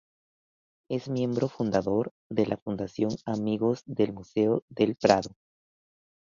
Es miembro fundador de la Fundación Amigos del Museo del Prado.